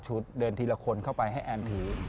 เดินทีละคนเข้าไปให้แอนถือ